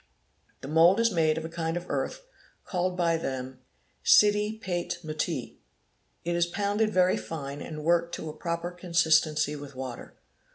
The mould is made of a kind of earth called by them 'Siddee Pait Muttee'. This is pounded very fine and worked to a proper _ consistency with water.